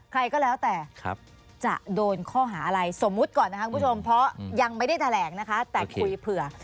ใครก็แล้วแต่จะโดนข้อหาอะไรสมมุติก่อนนะคะคุณผู้ชมเพราะยังไม่ได้แถลงนะคะแต่คุยเผื่อ